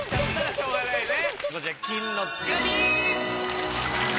しょうがないね。